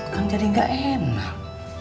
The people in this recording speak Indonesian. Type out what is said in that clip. kan jadi ga enak